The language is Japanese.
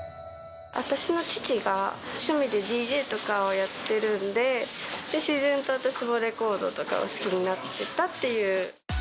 私の父が趣味でＤＪとかをやってるんで、自然と私もレコードとかを好きになってたっていう。